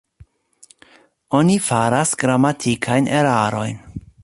Oni faras gramatikajn erarojn.